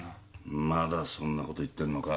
まだそんなこと言ってんのか。